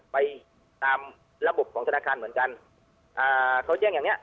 ไปตามระบบของธนาคารเหมือนกันอ่าเขาแจ้งอย่างเนี้ย